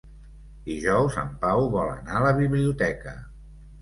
Dijous en Pau vol anar a la biblioteca.